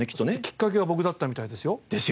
きっかけは僕だったみたいですよ。